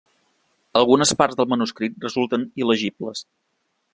Algunes parts del manuscrit resulten il·legibles.